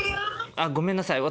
ごめんなさい。